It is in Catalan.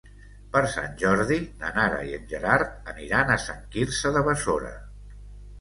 Per Sant Jordi na Nara i en Gerard aniran a Sant Quirze de Besora.